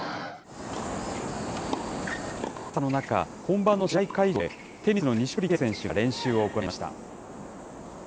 暑さの中、本番の試合会場でテニスの錦織圭選手が練習を行いました。